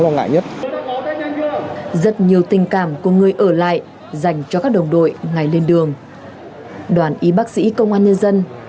trong số đó nhiều người ở lại dành cho các đồng đội ngay lên đường